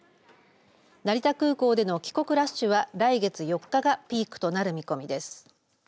成田空港での帰国ラッシュは来月４日がピークとなる見込みです。